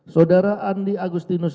saudara andi agustinus